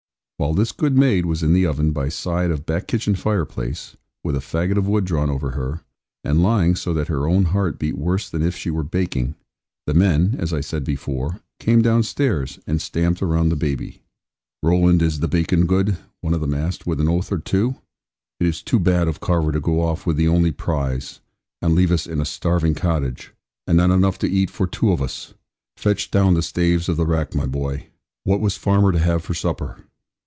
While this good maid was in the oven, by side of back kitchen fireplace, with a faggot of wood drawn over her, and lying so that her own heart beat worse than if she were baking; the men (as I said before) came downstairs, and stamped around the baby. 'Rowland, is the bacon good?' one of them asked with an oath or two; 'it is too bad of Carver to go off with the only prize, and leave us in a starving cottage; and not enough to eat for two of us. Fetch down the staves of the rack, my boy. What was farmer to have for supper?'